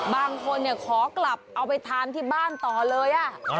บางคนขอกลับเอาไปทานที่บ้านต่อเลย